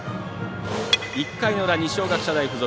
１回の裏、二松学舎大付属。